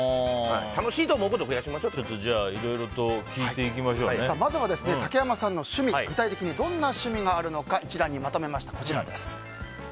楽しいと思うことをいろいろとまずは竹山さんの趣味具体的にどんな趣味があるのかまとめました。